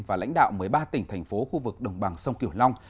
và lãnh đạo một mươi ba tỉnh thành phố khu vực đồng bằng sông kiểu long